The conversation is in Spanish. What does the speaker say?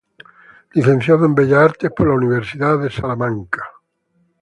Licenciado en Bellas Artes por la Universidad de Salamanca.